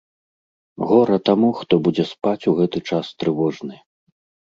Гора таму, хто будзе спаць у гэты час трывожны!